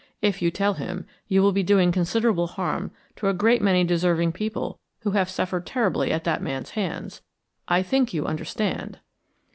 If you tell him, you will be doing considerable harm to a great many deserving people who have suffered terribly at that man's hands. I think you understand."